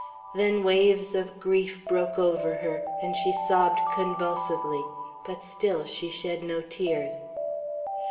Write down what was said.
Then waves of grief broke over her, and she sobbed convulsively; but still she shed no tears.